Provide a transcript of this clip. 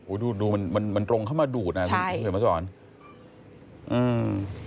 โอ้โฮดูมันตรงเข้ามาดูดน่ะเห็นไหมสวัสดีศาสตร์อืม